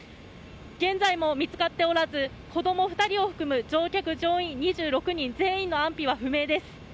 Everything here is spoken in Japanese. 現在も見つかっておらず子ども２人を含む乗客乗員２６人全員の安否は不明です。